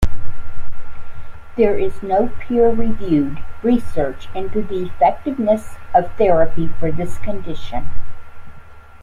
There is no peer reviewed research into the effectiveness of therapy for this condition.